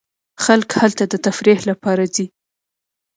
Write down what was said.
خلک هلته د تفریح لپاره ځي.